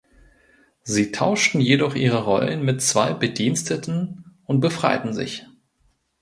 Sie tauschten jedoch ihre Rollen mit zwei Bediensteten und befreiten sich.